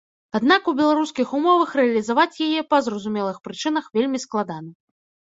Аднак у беларускіх умовах рэалізаваць яе, па зразумелых прычынах, вельмі складана.